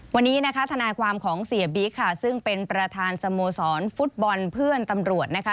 วันนี้นะคะทนายความของเสียบิ๊กค่ะซึ่งเป็นประธานสโมสรฟุตบอลเพื่อนตำรวจนะคะ